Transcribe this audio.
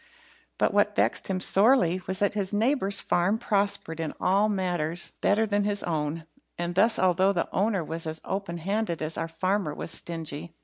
But what vexed him sorely was that his next neighbour's farm prospered in all matters better than his own; and this, although the owner was as open handed as our farmer was stingy.